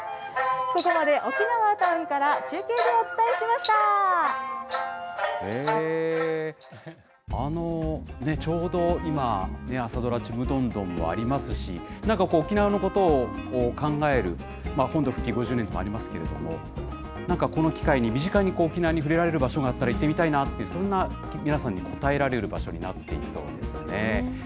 ここまで沖縄タウンから中継でおちょうど今、朝ドラ、ちむどんどんもありますし、なんかこう、沖縄のことを考える、本土復帰５０年というのもありますけれども、なんかこの機会に身近に沖縄に触れられる場所があったら行ってみたいなという、そんな皆さんに応えられる場所になっていそうですね。